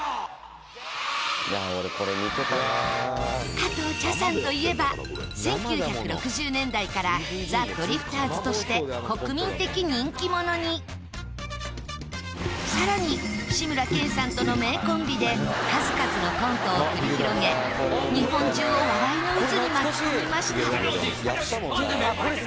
加藤茶さんといえば１９６０年代からザ・ドリフターズとして国民的人気者に更に志村けんさんとの名コンビで数々のコントを繰り広げ日本中を笑いの渦に巻き込みました